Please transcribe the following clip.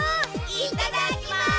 いただきます！